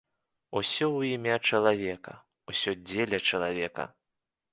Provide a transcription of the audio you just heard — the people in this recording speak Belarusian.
Усё ў імя чалавека, усё дзеля чалавека!